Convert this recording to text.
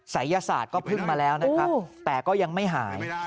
สายศาสตร์ก็พึ่งมาแล้วแต่ก็ยังไม่หาย